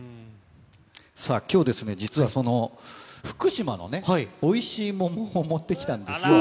さあ、きょう、実は福島のね、おいしい桃を持ってきたんですよ。